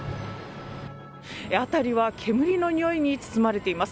辺りは煙のにおいに包まれています。